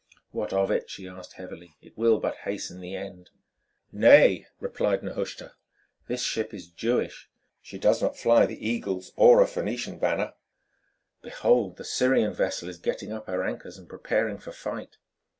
"What of it?" she asked heavily. "It will but hasten the end." "Nay," replied Nehushta, "this ship is Jewish; she does not fly the Eagles, or a Phœnician banner. Behold! the Syrian vessel is getting up her anchors and preparing for fight."